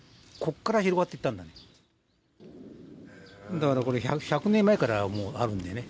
だからこれ１００年前からもうあるんだよね。